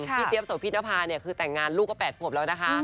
พี่เตี๊ยบโสพิธนภาคือแต่งงานลูกก็แปดผมแล้วนะคะ